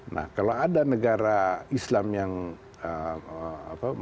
nah kalau ada negara islam yang apa